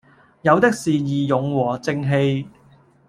有的是義勇和正氣。